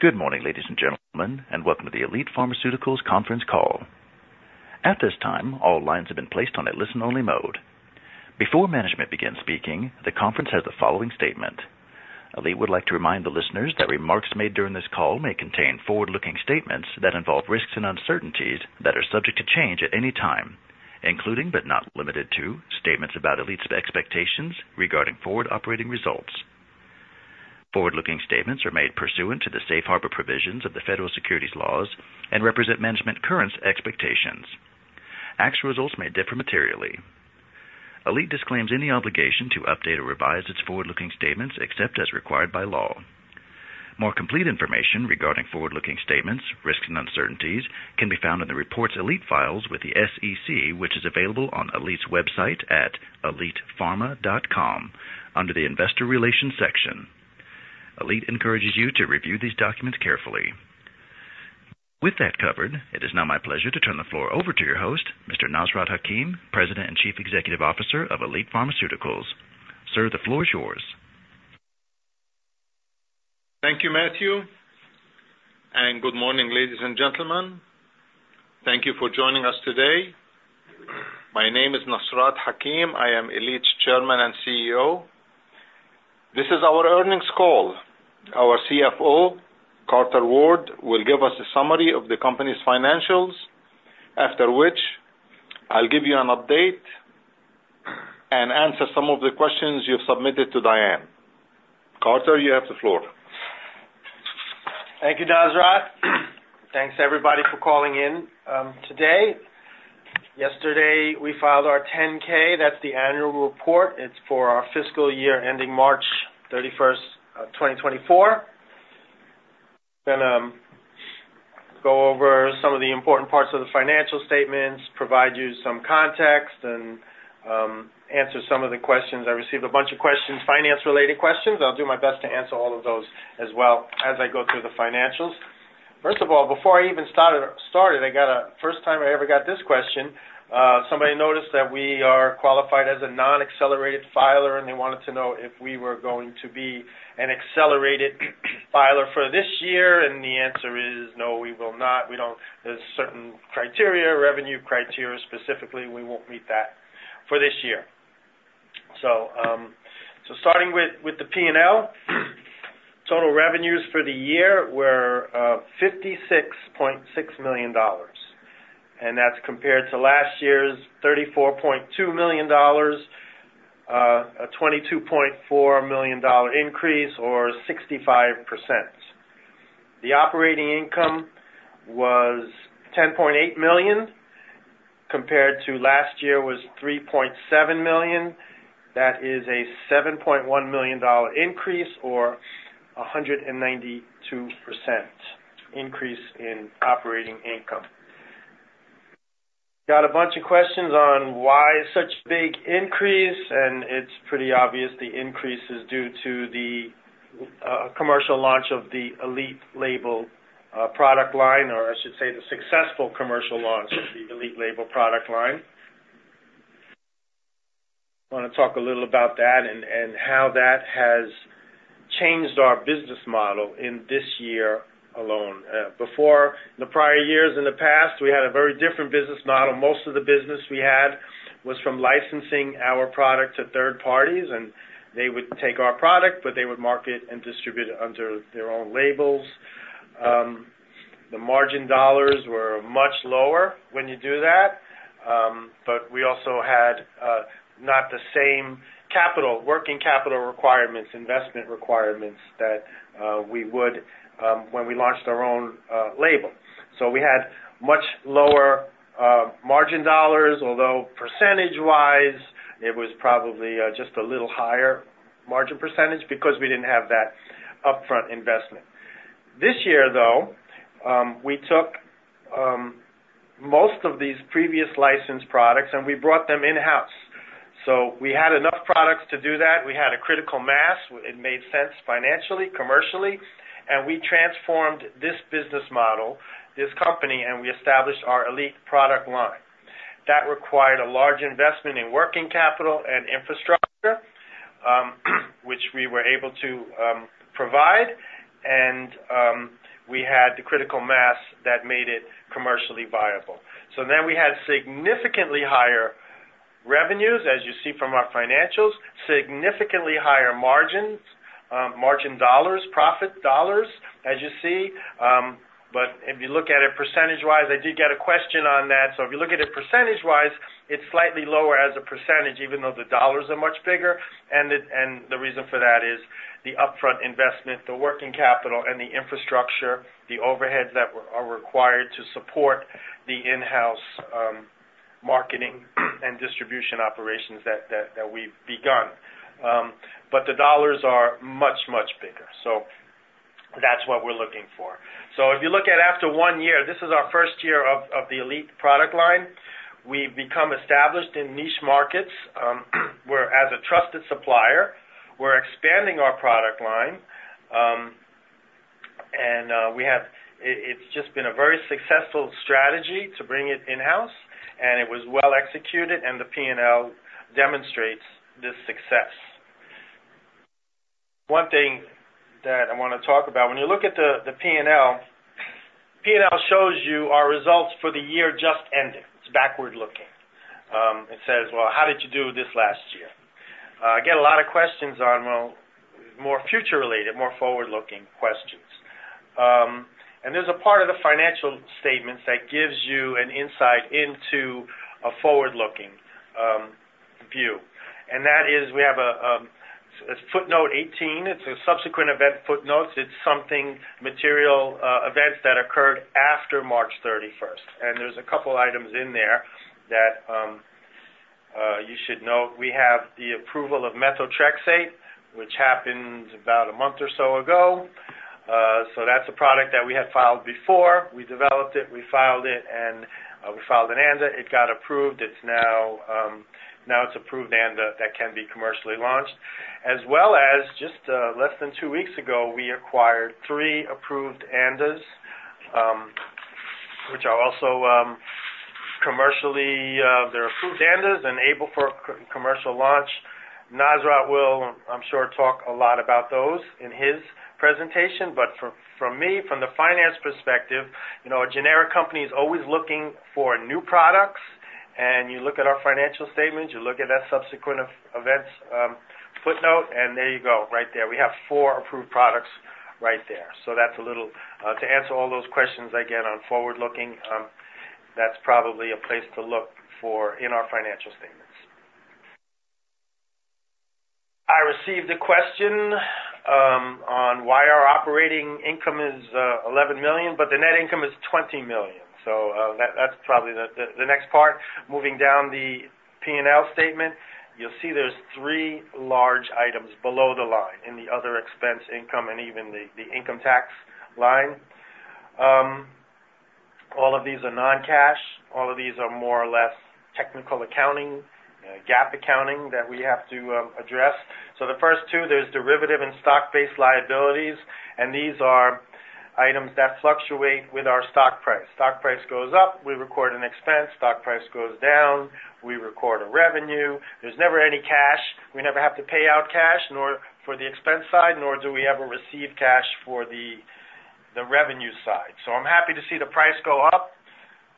Good morning, ladies and gentlemen, and welcome to the Elite Pharmaceuticals conference call. At this time, all lines have been placed on a listen-only mode. Before management begins speaking, the conference has the following statement. Elite would like to remind the listeners that remarks made during this call may contain forward-looking statements that involve risks and uncertainties that are subject to change at any time, including, but not limited to, statements about Elite's expectations regarding forward operating results. Forward-looking statements are made pursuant to the safe harbor provisions of the Federal Securities laws and represent management's current expectations. Actual results may differ materially. Elite disclaims any obligation to update or revise its forward-looking statements except as required by law. More complete information regarding forward-looking statements, risks, and uncertainties can be found in the reports Elite files with the SEC, which is available on Elite's website at elitepharma.com under the Investor Relations section. Elite encourages you to review these documents carefully. With that covered, it is now my pleasure to turn the floor over to your host, Mr. Nasrat Hakim, President and Chief Executive Officer of Elite Pharmaceuticals. Sir, the floor is yours. Thank you, Matthew, and good morning ladies and gentlemen. Thank you for joining us today. My name is Nasrat Hakim. I am Elite's Chairman and CEO. This is our earnings call. Our CFO, Carter Ward, will give us a summary of the company's financials, after which I'll give you an update and answer some of the questions you've submitted to Diane. Carter, you have the floor. Thank you, Nasrat. Thanks, everybody, for calling in today. Yesterday, we filed our 10-K. That's the annual report. It's for our fiscal year ending March 31, 2024. Then go over some of the important parts of the financial statements, provide you some context and answer some of the questions. I received a bunch of questions, finance-related questions. I'll do my best to answer all of those as well as I go through the financials. First of all, before I even start, for the first time I ever got this question. Somebody noticed that we are qualified as a non-accelerated filer, and they wanted to know if we were going to be an accelerated filer for this year. And the answer is no, we will not. We don't... There's certain criteria, revenue criteria, specifically. We won't meet that for this year. So, starting with the P&L. Total revenues for the year were $56.6 million, and that's compared to last year's $34.2 million, a $22.4 million increase or 65%. The operating income was $10.8 million, compared to last year $3.7 million. That is a $7.1 million increase or a 192% increase in operating income. Got a bunch of questions on why such big increase, and it's pretty obvious the increase is due to the commercial launch of the Elite label product line, or I should say, the successful commercial launch of the Elite label product line. I wanna talk a little about that and how that has changed our business model in this year alone. Before, in the prior years, in the past, we had a very different business model. Most of the business we had was from licensing our product to third parties, and they would take our product, but they would market and distribute it under their own labels. The margin dollars were much lower when you do that, but we also had not the same capital, working capital requirements, investment requirements that we would when we launched our own label. So we had much lower margin dollars, although percentage-wise, it was probably just a little higher margin percentage because we didn't have that upfront investment. This year, though, we took most of these previous licensed products, and we brought them in-house. So we had enough products to do that. We had a critical mass. It made sense financially, commercially, and we transformed this business model, this company, and we established our Elite product line. That required a large investment in working capital and infrastructure, which we were able to provide and we had the critical mass that made it commercially viable. So then we had significantly higher revenues, as you see from our financials, significantly higher margins, margin dollars, profit dollars, as you see. But if you look at it percentage-wise, I did get a question on that. So if you look at it percentage-wise, it's slightly lower as a percentage, even though the dollars are much bigger. And the reason for that is the upfront investment, the working capital and the infrastructure, the overheads that are required to support the in-house marketing and distribution operations that we've begun. But the dollars are much, much bigger, so that's what we're looking for. So if you look at after one year, this is our first year of the Elite product line. We've become established in niche markets, we're a trusted supplier. We're expanding our product line, and we have, it's just been a very successful strategy to bring it in-house, and it was well executed, and the P&L demonstrates this success. One thing that I wanna talk about, when you look at the P&L, P&L shows you our results for the year just ending. It's backward-looking. It says, "Well, how did you do this last year?" I get a lot of questions on well, more future-related, more forward-looking questions. And there's a part of the financial statements that gives you an insight into a forward-looking view. That is, we have a footnote 18. It's a subsequent event footnote. It's something material events that occurred after March thirty-first. There's a couple items in there that you should note. We have the approval of methotrexate, which happened about a month or so ago. So that's a product that we had filed before. We developed it, we filed it, and we filed an ANDA. It got approved. It's now now it's approved ANDA that can be commercially launched. As well as just less than two weeks ago, we acquired three approved ANDAs, which are also commercially, they're approved ANDAs and able for commercial launch. Nasrat will, I'm sure, talk a lot about those in his presentation, but from me, from the finance perspective, you know, a generic company is always looking for new products, and you look at our financial statements, you look at that subsequent events footnote, and there you go, right there. We have four approved products right there. So that's a little... To answer all those questions I get on forward-looking, that's probably a place to look for in our financial statements. I received a question on why our operating income is $11 million, but the net income is $20 million. So that, that's probably the next part. Moving down the P&L statement, you'll see there's three large items below the line in the other expense, income, and even the income tax line. All of these are non-cash. All of these are more or less technical accounting, GAAP accounting that we have to address. So the first two, there's derivative and stock-based liabilities, and these are items that fluctuate with our stock price. Stock price goes up, we record an expense. Stock price goes down, we record a revenue. There's never any cash. We never have to pay out cash, nor for the expense side, nor do we ever receive cash for the, the revenue side. So I'm happy to see the price go up.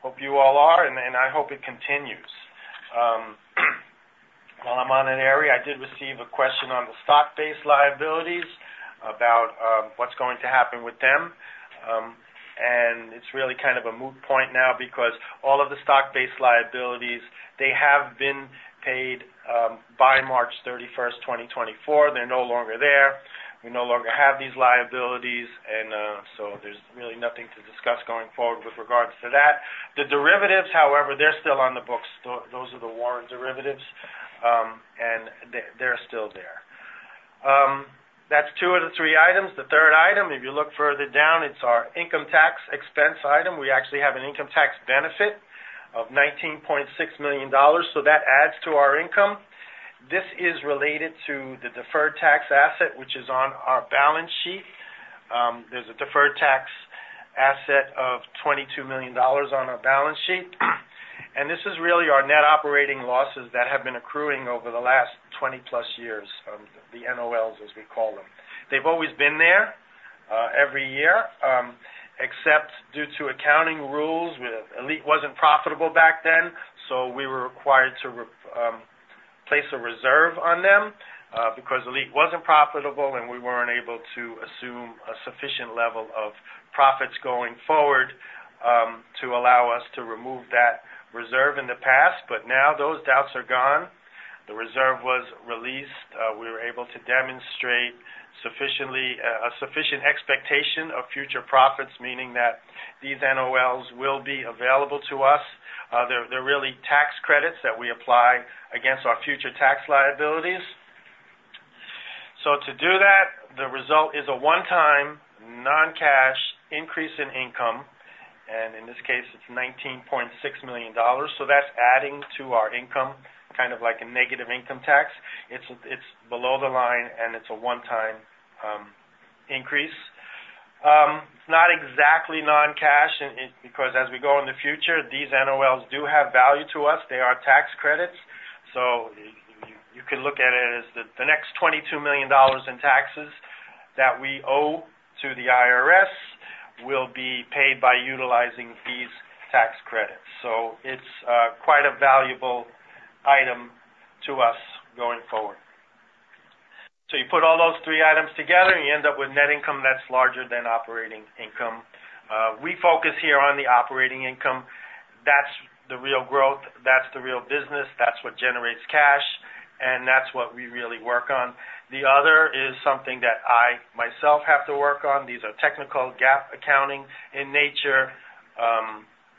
Hope you all are, and, and I hope it continues. While I'm on an area, I did receive a question on the stock-based liabilities, about what's going to happen with them. And it's really kind of a moot point now because all of the stock-based liabilities, they have been paid by March 31, 2024. They're no longer there. We no longer have these liabilities, and so there's really nothing to discuss going forward with regards to that. The derivatives, however, they're still on the books. Those are the warrant derivatives, and they, they're still there. That's two of the three items. The third item, if you look further down, it's our income tax expense item. We actually have an income tax benefit of $19.6 million, so that adds to our income. This is related to the deferred tax asset, which is on our balance sheet. There's a deferred tax asset of $22 million on our balance sheet. And this is really our net operating losses that have been accruing over the last 20+ years, the NOLs, as we call them. They've always been there every year, except due to accounting rules, Elite wasn't profitable back then, so we were required to place a reserve on them because Elite wasn't profitable, and we weren't able to assume a sufficient level of profits going forward to allow us to remove that reserve in the past. But now those doubts are gone. The reserve was released. We were able to demonstrate sufficiently a sufficient expectation of future profits, meaning that these NOLs will be available to us. They're really tax credits that we apply against our future tax liabilities. So to do that, the result is a one-time, non-cash increase in income, and in this case, it's $19.6 million. So that's adding to our income, kind of like a negative income tax. It's below the line, and it's a one-time increase. It's not exactly non-cash, and because as we go in the future, these NOLs do have value to us. They are tax credits. So you can look at it as the next $22 million in taxes that we owe to the IRS will be paid by utilizing these tax credits. So it's quite a valuable item to us going forward. So you put all those three items together, and you end up with net income that's larger than operating income. We focus here on the operating income. That's the real growth, that's the real business, that's what generates cash, and that's what we really work on. The other is something that I myself have to work on. These are technical GAAP accounting in nature,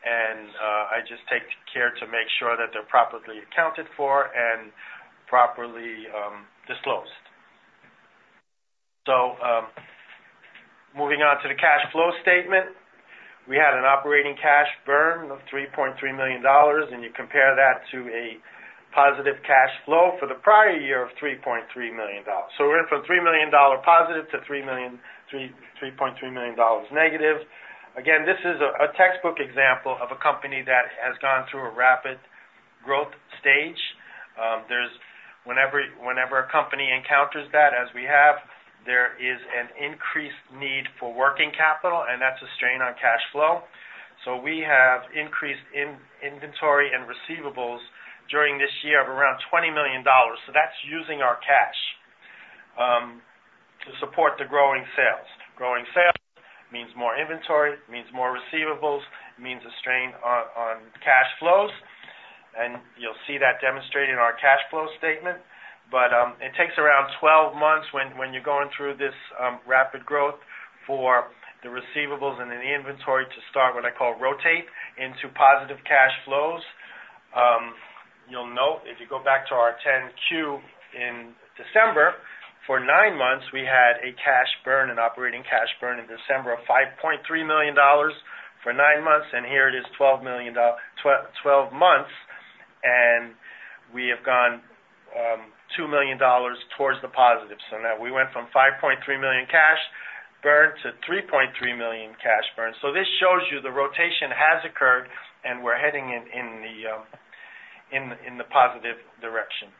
and I just take care to make sure that they're properly accounted for and properly disclosed. So, moving on to the cash flow statement. We had an operating cash burn of $3.3 million, and you compare that to a positive cash flow for the prior year of $3.3 million. So we went from $3 million positive to $3.3 million negative. Again, this is a textbook example of a company that has gone through a rapid growth stage. Whenever a company encounters that, as we have, there is an increased need for working capital, and that's a strain on cash flow. So we have increased inventory and receivables during this year of around $20 million. So that's using our cash to support the growing sales. Growing sales means more inventory, means more receivables, means a strain on cash flows, and you'll see that demonstrated in our cash flow statement. But it takes around 12 months when you're going through this rapid growth for the receivables and then the inventory to start, what I call, rotate into positive cash flows. You'll note, if you go back to our 10-Q in December, for nine months, we had a cash burn, an operating cash burn in December of $5.3 million for nine months, and here it is 12 months, and we have gone $2 million towards the positives. So now we went from $5.3 million cash burn to $3.3 million cash burn. This shows you the rotation has occurred, and we're heading in the positive direction.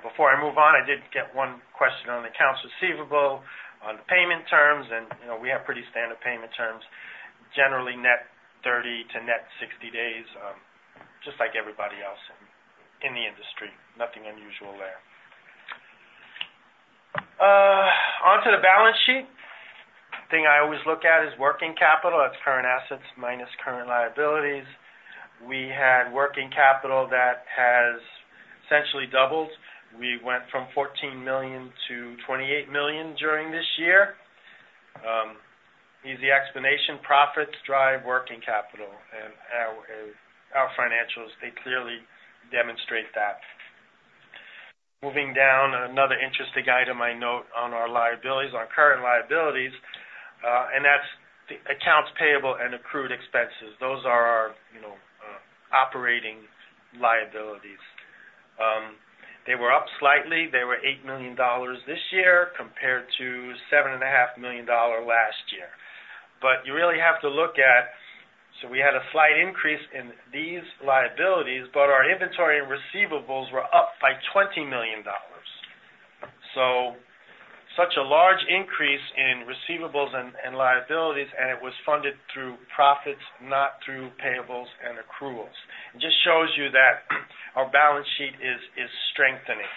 Before I move on, I did get one question on accounts receivable, on the payment terms, and, you know, we have pretty standard payment terms, generally net 30 to net 60 days, just like everybody else in the industry. Nothing unusual there. Onto the balance sheet. The thing I always look at is working capital. That's current assets minus current liabilities. We had working capital that has essentially doubled. We went from $14 million to $28 million during this year. Easy explanation: profits drive working capital, and our financials, they clearly demonstrate that. Moving down, another interesting item I note on our liabilities, on current liabilities, and that's the accounts payable and accrued expenses. Those are our, you know, operating liabilities. They were up slightly. They were $8 million this year compared to $7.5 million last year. But you really have to look at. So we had a slight increase in these liabilities, but our inventory and receivables were up by $20 million. So such a large increase in receivables and liabilities, and it was funded through profits, not through payables and accruals. It just shows you that our balance sheet is strengthening,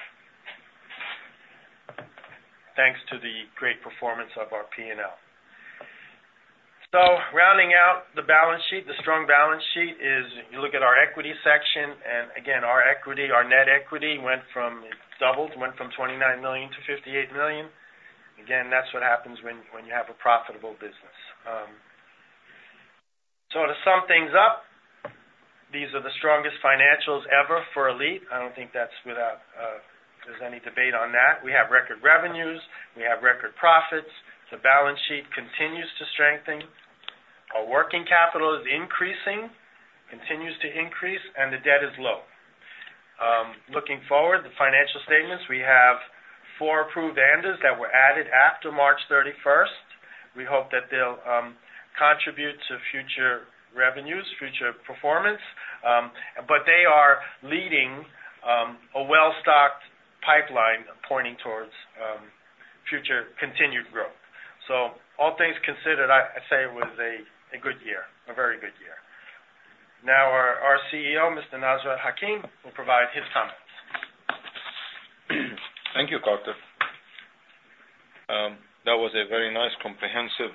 thanks to the great performance of our P&L. So rounding out the balance sheet, the strong balance sheet is, you look at our equity section, and again, our equity, our net equity doubled, went from $29 million to $58 million. Again, that's what happens when you have a profitable business. So to sum things up, these are the strongest financials ever for Elite. I don't think that's without, there's any debate on that. We have record revenues. We have record profits. The balance sheet continues to strengthen. Our working capital is increasing, continues to increase, and the debt is low. Looking forward, the financial statements, we have 4 approved ANDAs that were added after March 31st. We hope that they'll contribute to future revenues, future performance, but they are leading a well-stocked pipeline pointing towards future continued growth. So all things considered, I say it was a good year, a very good year. Now, our CEO, Mr. Nasrat Hakim, will provide his comments. Thank you, Carter. That was a very nice, comprehensive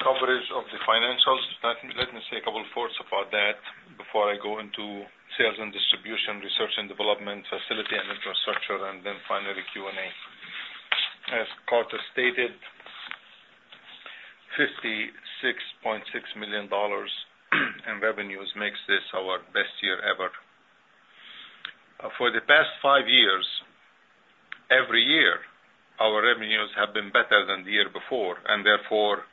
coverage of the financials. Let me, let me say a couple of words about that before I go into sales and distribution, research and development, facility and infrastructure, and then finally, Q&A. As Carter stated, $56.6 million in revenues makes this our best year ever. For the past five years, every year, our revenues have been better than the year before, and therefore,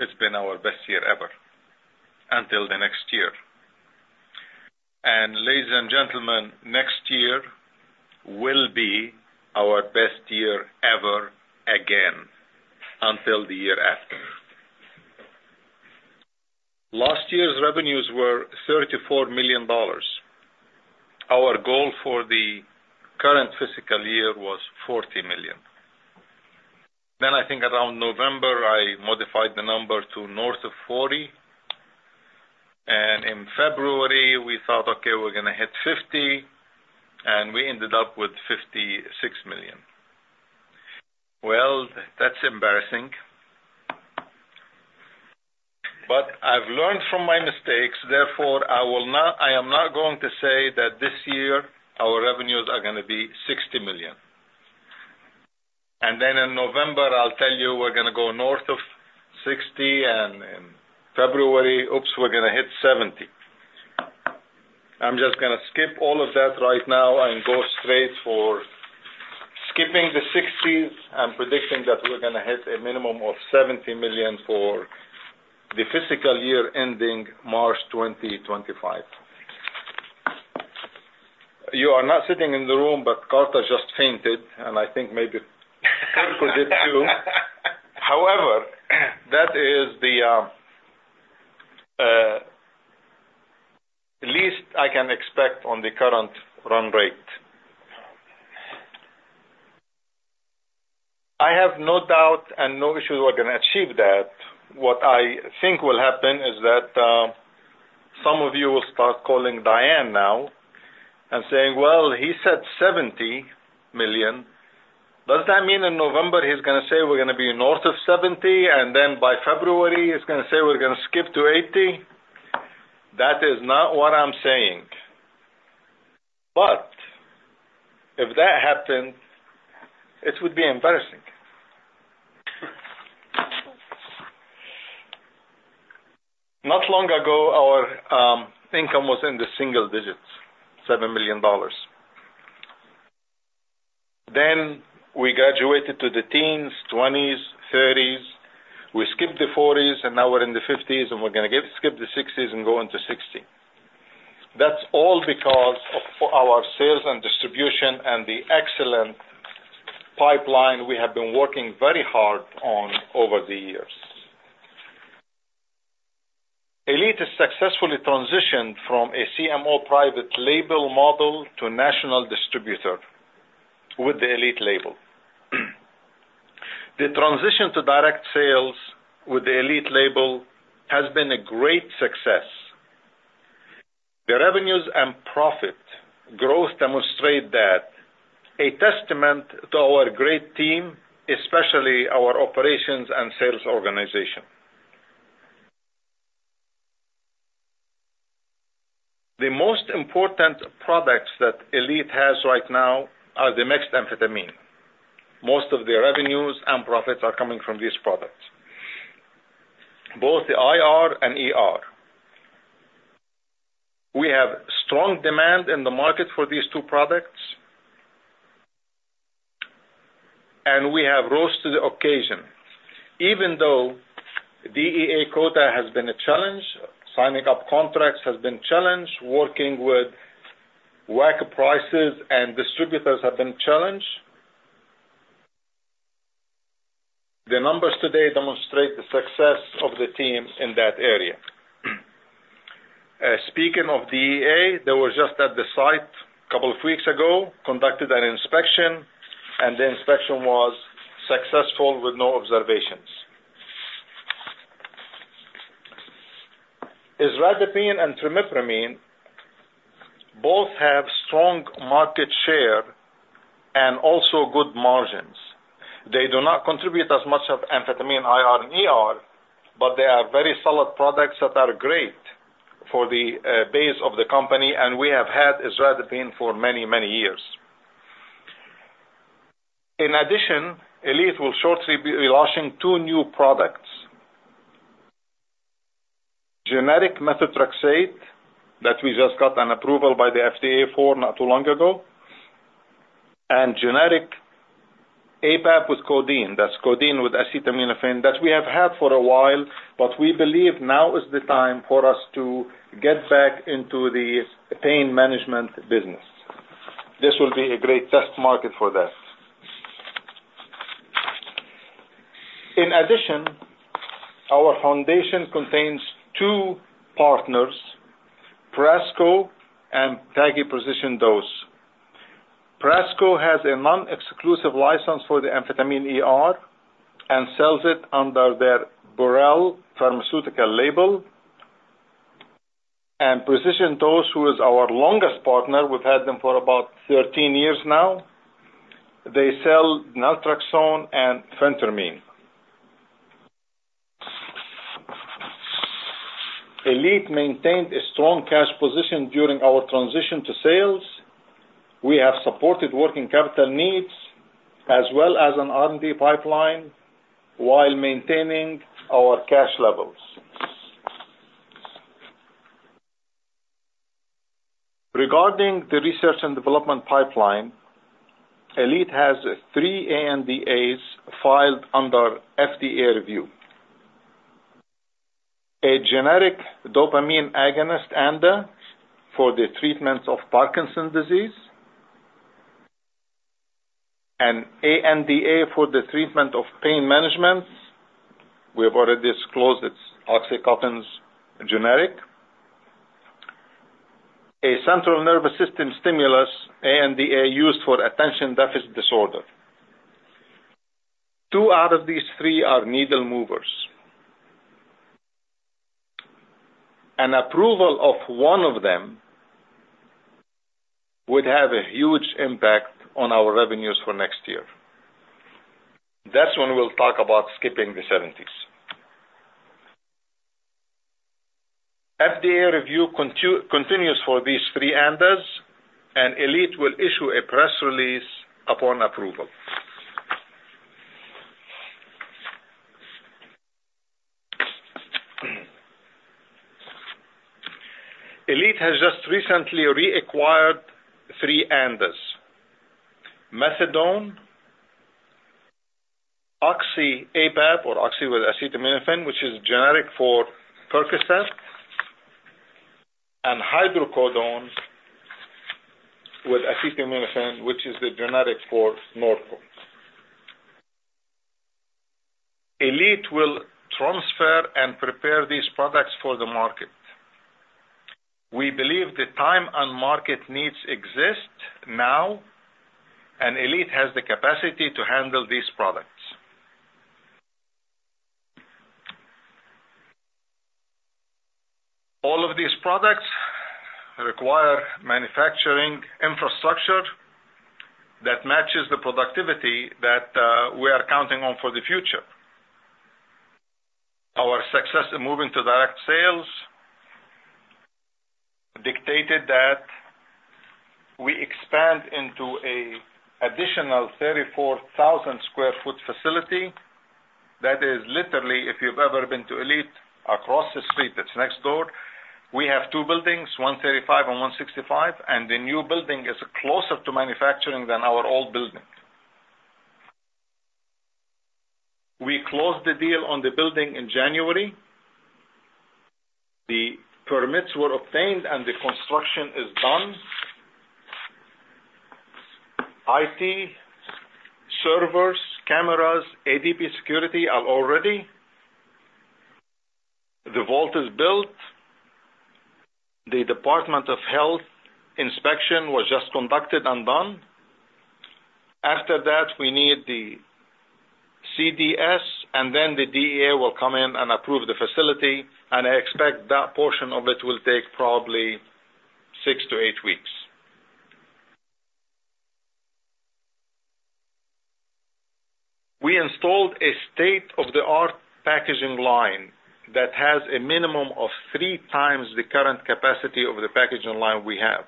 it's been our best year ever until the next year. And ladies and gentlemen, next year will be our best year ever again until the year after. Last year's revenues were $34 million. Our goal for the current fiscal year was $40 million. Then I think around November, I modified the number to north of $40 million, and in February, we thought, "Okay, we're gonna hit $50 million," and we ended up with $56 million. Well, that's embarrassing. But I've learned from my mistakes, therefore, I will not—I am not going to say that this year our revenues are gonna be $60 million. And then in November, I'll tell you, we're gonna go north of $60 million, and in February, oops, we're gonna hit $70 million. I'm just gonna skip all of that right now and go straight for skipping the 60s and predicting that we're gonna hit a minimum of $70 million for the fiscal year ending March 2025. You are not sitting in the room, but Carter just fainted, and I think maybe Kirk did, too. However, that is the least I can expect on the current run rate. I have no doubt and no issue we're going to achieve that. What I think will happen is that, some of you will start calling Diane now and saying, "Well, he said $70 million. Does that mean in November, he's going to say we're going to be north of $70 million, and then by February, he's going to say we're going to skip to $80 million?" That is not what I'm saying. But if that happened, it would be embarrassing. Not long ago, our income was in the single digits, $7 million. Then we graduated to the teens, twenties, thirties. We skipped the forties, and now we're in the fifties, and we're going to get, skip the sixties and go into $60 million. That's all because of our sales and distribution and the excellent pipeline we have been working very hard on over the years. Elite has successfully transitioned from a CMO private label model to a national distributor with the Elite label. The transition to direct sales with the Elite label has been a great success. The revenues and profit growth demonstrate that, a testament to our great team, especially our operations and sales organization. The most important products that Elite has right now are the mixed amphetamine. Most of the revenues and profits are coming from these products, both the IR and ER. We have strong demand in the market for these two products, and we have rose to the occasion. Even though DEA quota has been a challenge, signing up contracts has been challenged, working with WAC prices and distributors have been challenged. The numbers today demonstrate the success of the team in that area. Speaking of DEA, they were just at the site a couple of weeks ago, conducted an inspection, and the inspection was successful with no observations. Isradipine and Trimipramine both have strong market share and also good margins. They do not contribute as much of amphetamine IR and ER, but they are very solid products that are great for the base of the company, and we have had Isradipine for many, many years. In addition, Elite will shortly be launching two new products. Generic Methotrexate, that we just got an approval by the FDA for not too long ago, and generic APAP with codeine. That's codeine with acetaminophen that we have had for a while, but we believe now is the time for us to get back into the pain management business. This will be a great test market for that. In addition, our foundation contains two partners, Prasco and Precision Dose. Prasco has a non-exclusive license for the amphetamine ER and sells it under their Burel Pharma label. Precision Dose, who is our longest partner, we've had them for about 13 years now. They sell Naltrexone and Phentermine. Elite maintained a strong cash position during our transition to sales. We have supported working capital needs as well as an R&D pipeline while maintaining our cash levels. Regarding the research and development pipeline, Elite has 3 ANDAs filed under FDA review. A generic dopamine agonist ANDA for the treatment of Parkinson's disease, an ANDA for the treatment of pain management. We have already disclosed its oxycodone generic. A central nervous system stimulant ANDA used for attention deficit disorder. 2 out of these 3 are needle movers. An approval of one of them would have a huge impact on our revenues for next year. That's when we'll talk about skipping the seventies. FDA review continues for these three ANDAs, and Elite will issue a press release upon approval. Elite has just recently reacquired three ANDAs: methadone, Oxy APAP or oxy with acetaminophen, which is generic for Percocet, and hydrocodone with acetaminophen, which is the generic for Norco. Elite will transfer and prepare these products for the market. We believe the time and market needs exist now, and Elite has the capacity to handle these products. All of these products require manufacturing infrastructure that matches the productivity that we are counting on for the future. Our success in moving to direct sales dictated that we expand into an additional 34,000 sq ft facility. That is literally, if you've ever been to Elite, across the street, it's next door. We have two buildings, 135 and 165, and the new building is closer to manufacturing than our old building. We closed the deal on the building in January. The permits were obtained and the construction is done. IT, servers, cameras, ADP security are all ready. The vault is built. The Department of Health inspection was just conducted and done. After that, we need the CDS, and then the DEA will come in and approve the facility, and I expect that portion of it will take probably 6-8 weeks. We installed a state-of-the-art packaging line that has a minimum of 3 times the current capacity of the packaging line we have.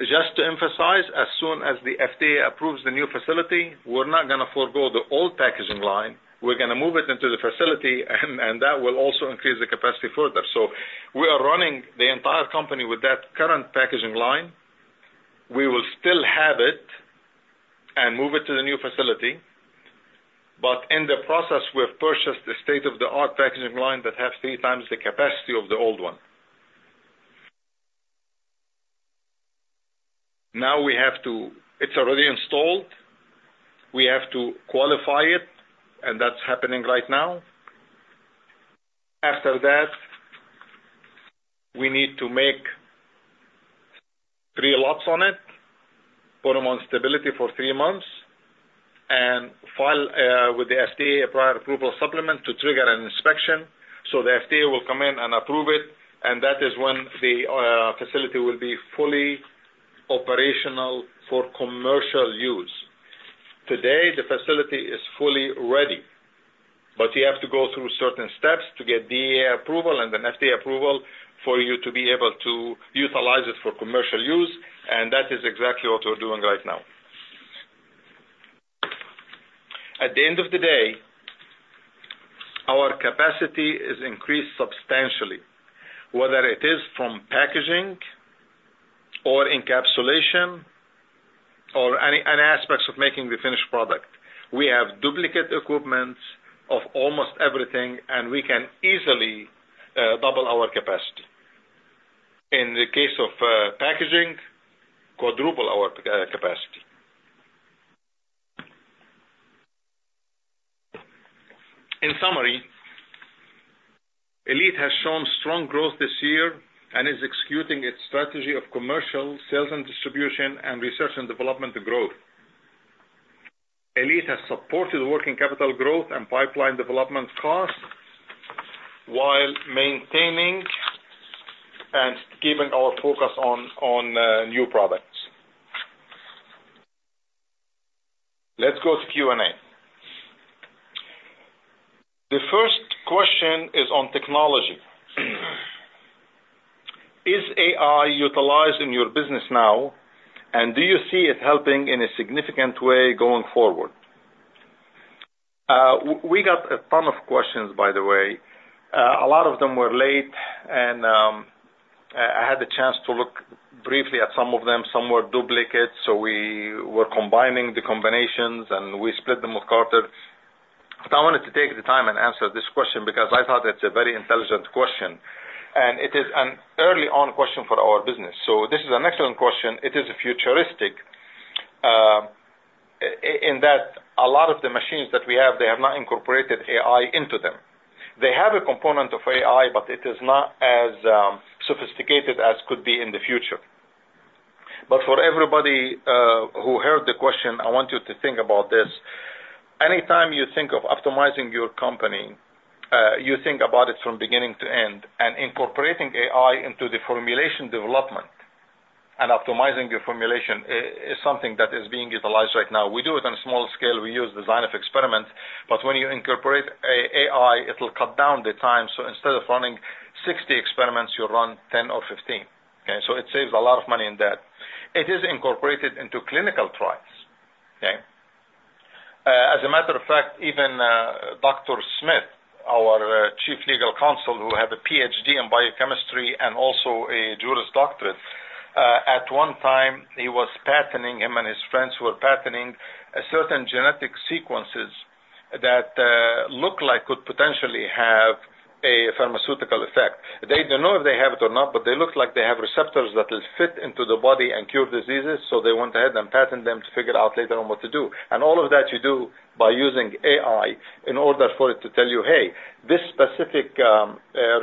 Just to emphasize, as soon as the FDA approves the new facility, we're not gonna forgo the old packaging line. We're gonna move it into the facility, and, and that will also increase the capacity further. So we are running the entire company with that current packaging line. We will still have it and move it to the new facility, but in the process, we've purchased a state-of-the-art packaging line that has three times the capacity of the old one. Now we have to... It's already installed. We have to qualify it, and that's happening right now. After that, we need to make three lots on it, put them on stability for three months, and file with the FDA, a prior approval supplement to trigger an inspection. So the FDA will come in and approve it, and that is when the facility will be fully operational for commercial use. Today, the facility is fully ready, but you have to go through certain steps to get DEA approval and an FDA approval for you to be able to utilize it for commercial use, and that is exactly what we're doing right now. At the end of the day, our capacity is increased substantially, whether it is from packaging or encapsulation or any aspects of making the finished product. We have duplicate equipments of almost everything, and we can easily double our capacity. In the case of packaging, quadruple our capacity. In summary, Elite has shown strong growth this year and is executing its strategy of commercial sales and distribution and research and development growth. Elite has supported working capital growth and pipeline development costs while maintaining and keeping our focus on new products. Let's go to Q&A. The first question is on technology. Is AI utilized in your business now, and do you see it helping in a significant way going forward? We got a ton of questions, by the way. A lot of them were late, and I had the chance to look briefly at some of them. Some were duplicate, so we were combining the combinations, and we split them with Carter. But I wanted to take the time and answer this question because I thought it's a very intelligent question, and it is an early-on question for our business. So this is an excellent question. It is futuristic, in that a lot of the machines that we have, they have not incorporated AI into them. They have a component of AI, but it is not as sophisticated as could be in the future. But for everybody who heard the question, I want you to think about this. Anytime you think of optimizing your company, you think about it from beginning to end, and incorporating AI into the formulation development and optimizing your formulation is something that is being utilized right now. We do it on a small scale. We use design of experiments, but when you incorporate AI, it will cut down the time. So instead of running 60 experiments, you run 10 or 15, okay? So it saves a lot of money in that. It is incorporated into clinical trials, okay? As a matter of fact, even Dr. Smith-... legal counsel who had a Ph.D. in biochemistry and also a juris doctorate. At one time, he was patenting, him and his friends were patenting a certain genetic sequences that look like could potentially have a pharmaceutical effect. They don't know if they have it or not, but they look like they have receptors that will fit into the body and cure diseases, so they went ahead and patent them to figure out later on what to do. And all of that you do by using AI in order for it to tell you, "Hey, this specific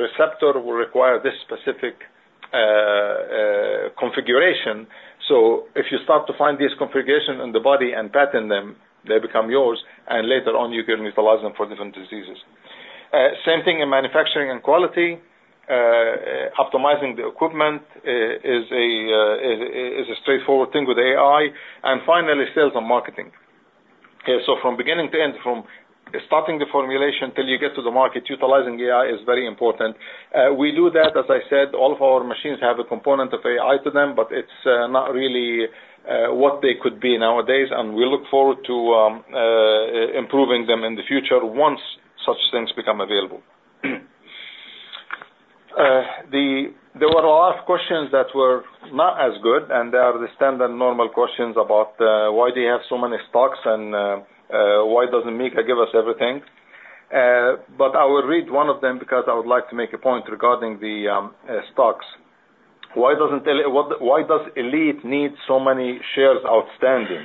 receptor will require this specific configuration." So if you start to find this configuration in the body and patent them, they become yours, and later on, you can utilize them for different diseases. Same thing in manufacturing and quality. Optimizing the equipment is a straightforward thing with AI, and finally, sales and marketing. Okay, so from beginning to end, from starting the formulation till you get to the market, utilizing AI is very important. We do that, as I said, all of our machines have a component of AI to them, but it's not really what they could be nowadays, and we look forward to improving them in the future once such things become available. There were a lot of questions that were not as good, and they are the standard normal questions about why do you have so many stocks, and why doesn't Mika give us everything? But I will read one of them because I would like to make a point regarding the stocks. Why does Elite need so many shares outstanding?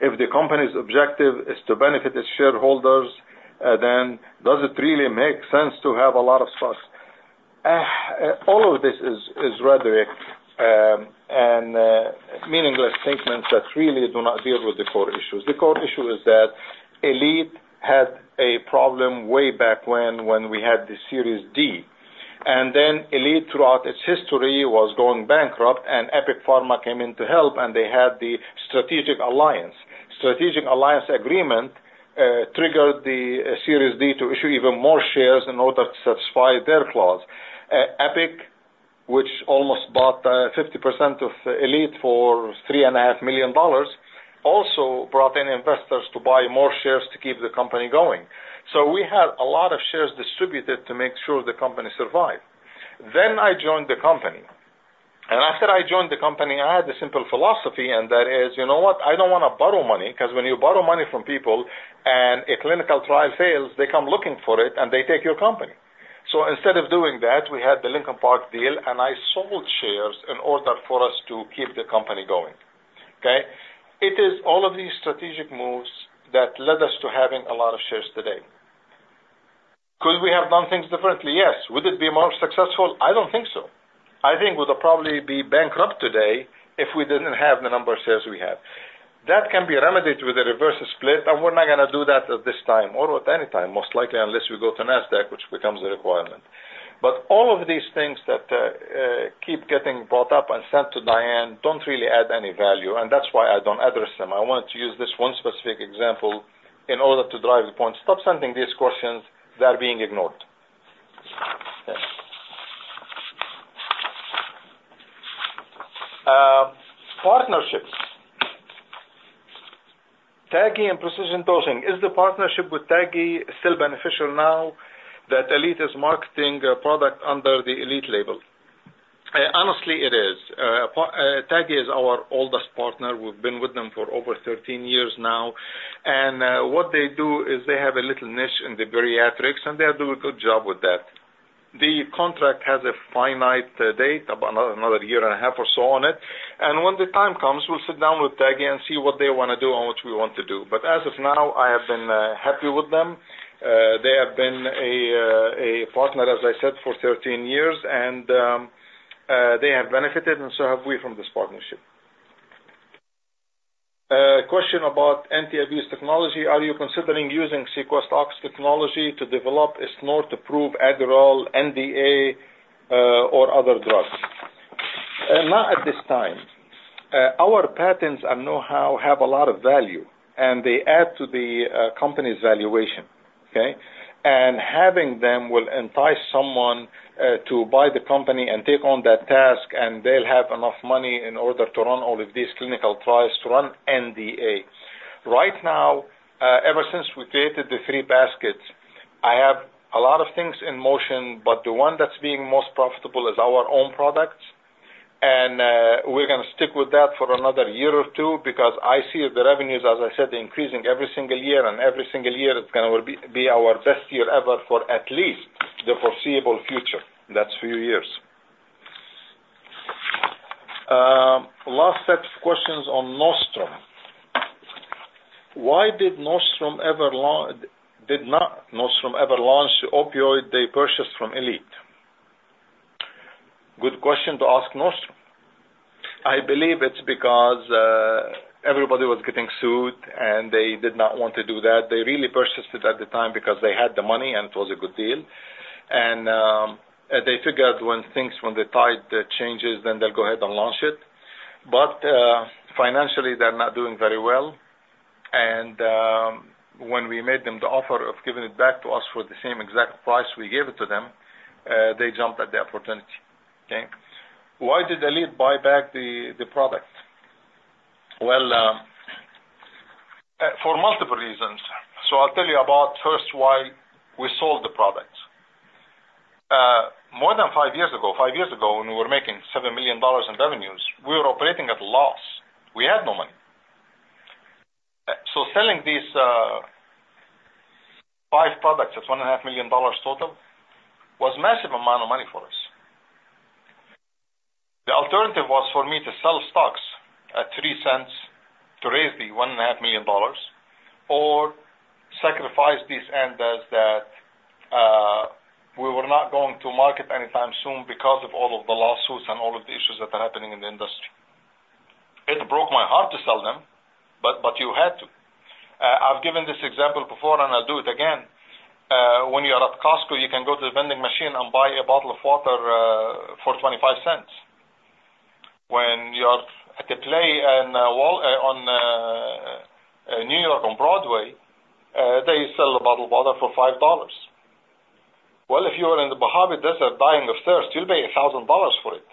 If the company's objective is to benefit its shareholders, then does it really make sense to have a lot of stocks? All of this is rhetoric and meaningless statements that really do not deal with the core issues. The core issue is that Elite had a problem way back when, when we had the Series D. And then Elite, throughout its history, was going bankrupt, and Epic Pharma came in to help, and they had the strategic alliance. Strategic alliance agreement triggered the Series D to issue even more shares in order to satisfy their clause. Epic, which almost bought 50% of Elite for $3.5 million, also brought in investors to buy more shares to keep the company going. So we had a lot of shares distributed to make sure the company survived. Then I joined the company. And after I joined the company, I had a simple philosophy, and that is, you know what? I don't wanna borrow money, 'cause when you borrow money from people and a clinical trial fails, they come looking for it, and they take your company. So instead of doing that, we had the Lincoln Park deal, and I sold shares in order for us to keep the company going. Okay? It is all of these strategic moves that led us to having a lot of shares today. Could we have done things differently? Yes. Would it be more successful? I don't think so. I think we'd probably be bankrupt today if we didn't have the number of shares we have. That can be remedied with a reverse split, and we're not gonna do that at this time or at any time, most likely, unless we go to Nasdaq, which becomes a requirement. But all of these things that keep getting brought up and sent to Diane don't really add any value, and that's why I don't address them. I want to use this one specific example in order to drive the point. Stop sending these questions. They are being ignored. Partnerships. Taggi and Precision Dose. Is the partnership with Taggi still beneficial now that Elite is marketing a product under the Elite label? Honestly, it is. Taggi is our oldest partner. We've been with them for over 13 years now. And what they do is they have a little niche in the bariatrics, and they do a good job with that. The contract has a finite date, about another year and a half or so on it. When the time comes, we'll sit down with Taggi and see what they wanna do and what we want to do. But as of now, I have been happy with them. They have been a partner, as I said, for 13 years, and they have benefited and so have we from this partnership. A question about anti-abuse technology: Are you considering using SequestOx technology to develop a snort-to-prove Adderall, NDA, or other drugs? Not at this time. Our patents and know-how have a lot of value, and they add to the company's valuation, okay? Having them will entice someone to buy the company and take on that task, and they'll have enough money in order to run all of these clinical trials to run NDA. Right now, ever since we created the three baskets, I have a lot of things in motion, but the one that's being most profitable is our own products. And, we're gonna stick with that for another year or two because I see the revenues, as I said, increasing every single year and every single year, it's gonna be our best year ever for at least the foreseeable future. That's a few years. Last set of questions on Nostrum. Why did Nostrum not ever launch the opioid they purchased from Elite? Good question to ask Nostrum. I believe it's because everybody was getting sued, and they did not want to do that. They really purchased it at the time because they had the money, and it was a good deal. And they figured when things, when the tide changes, then they'll go ahead and launch it. But financially, they're not doing very well. And when we made them the offer of giving it back to us for the same exact price we gave it to them, they jumped at the opportunity. Okay. Why did Elite buy back the product? Well, multiple reasons. So I'll tell you about first, why we sold the products. More than 5 years ago, when we were making $7 million in revenues, we were operating at a loss. We had no money. So selling these 5 products at $1.5 million total was massive amount of money for us. The alternative was for me to sell stocks at $0.03 to raise the $1.5 million or sacrifice these and as that we were not going to market anytime soon because of all of the lawsuits and all of the issues that are happening in the industry. It broke my heart to sell them, but, but you had to. I've given this example before, and I'll do it again. When you are at Costco, you can go to the vending machine and buy a bottle of water for $0.25. When you're at a play in New York on Broadway, they sell a bottle of water for $5. Well, if you are in the Mojave Desert buying the thirst, you'll pay $1,000 for it.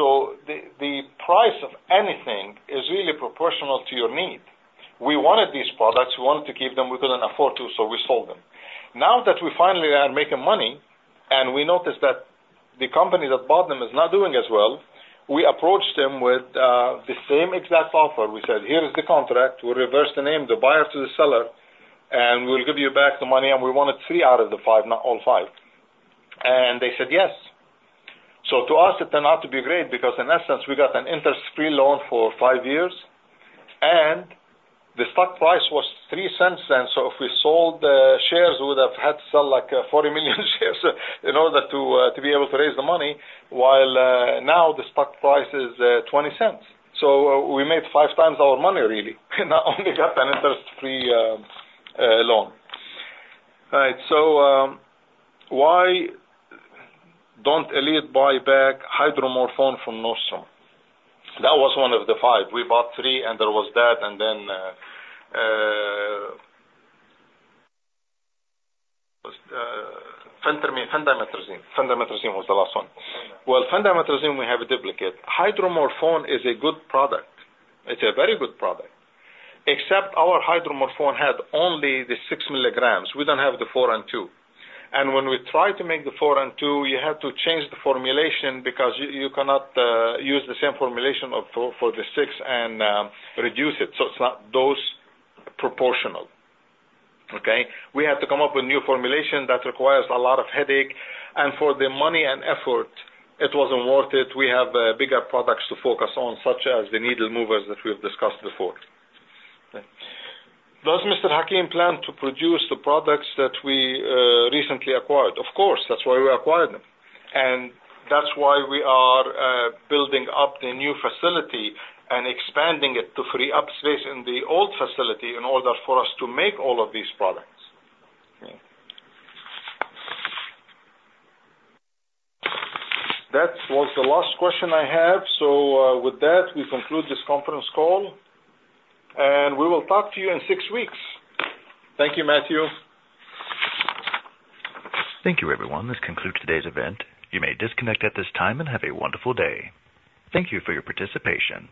So the price of anything is really proportional to your need. We wanted these products. We wanted to keep them. We couldn't afford to, so we sold them. Now that we finally are making money and we noticed that the company that bought them is not doing as well, we approached them with the same exact offer. We said, "Here is the contract. We'll reverse the name, the buyer to the seller, and we'll give you back the money." And we wanted three out of the five, not all five. And they said, yes. So to us, it turned out to be great because in essence, we got an interest-free loan for five years, and the stock price was 3 cents then. So if we sold the shares, we would have had to sell, like, 40 million shares in order to to be able to raise the money, while now the stock price is $0.20. So we made 5 times our money, really, and not only got an interest-free loan. Right. So, why don't Elite buy back hydromorphone from Nostrum? That was one of the five. We bought three, and there was that, and then phentermine, phentermine. Phentermine was the last one. Well, phentermine we have a duplicate. Hydromorphone is a good product. It's a very good product. Except our hydromorphone had only the 6 milligrams. We don't have the 4 and 2. When we try to make the 4 and 2, you have to change the formulation because you cannot use the same formulation for the 6 and reduce it. So it's not dose proportional, okay? We have to come up with a new formulation that requires a lot of headache, and for the money and effort, it wasn't worth it. We have bigger products to focus on, such as the needle movers that we've discussed before. Does Mr. Hakim plan to produce the products that we recently acquired? Of course, that's why we acquired them. That's why we are building up the new facility and expanding it to free up space in the old facility in order for us to make all of these products. That was the last question I have. With that, we conclude this conference call, and we will talk to you in six weeks. Thank you, Matthew. Thank you, everyone. This concludes today's event. You may disconnect at this time and have a wonderful day. Thank you for your participation.